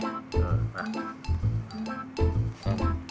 เออ